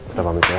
udah pamit ya